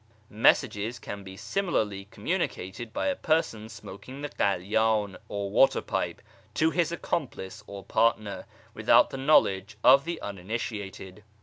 Messages can be similarly communicated by a person smoking the kalydn or water pipe to his accomplice or partner, without the knowledge of the uninitiated.